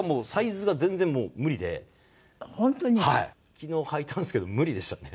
昨日はいたんですけど無理でしたね。